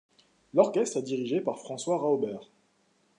L'orchestre est dirigé par François Rauber.